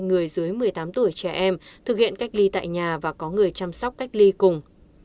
người dưới một mươi tám tuổi trẻ em thực hiện cách ly tại nhà và có người chăm sóc cách ly cùng